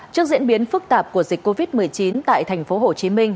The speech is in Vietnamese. trước diễn biến phức tạp của dịch covid một mươi chín tại tp hồ chí minh